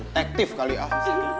detektif kali ah